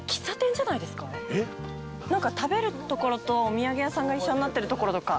なんか食べる所とお土産屋さんが一緒になってる所とか。